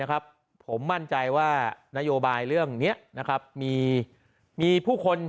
นะครับผมมั่นใจว่านโยบายเรื่องเนี้ยนะครับมีมีผู้คน